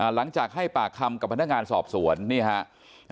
หลังจากให้ปากคำกับพนักงานสอบสวนนี่ครับ